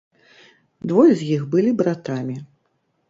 Двое з іх былі братамі.